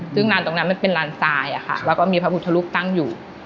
ซึ่งลานตรงนั้นมันเป็นลานทรายแล้วก็มีพระพุทธรูปตั้งอยู่